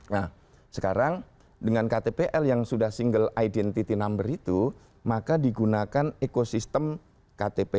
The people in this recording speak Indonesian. nah sekarang dengan ktpl yang sudah single identity number itu maka digunakan ekosistem ktp